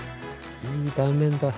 いい断面だ。